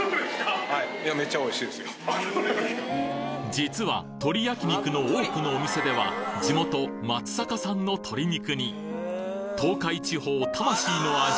実は鶏焼き肉の多くのお店では地元松阪産の鶏肉に東海地方魂の味